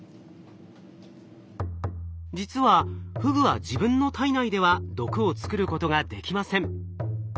実はフグは自分の体内では毒を作ることができません。